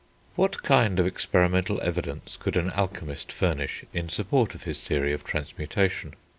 _] What kind of experimental evidence could an alchemist furnish in support of his theory of transmutation?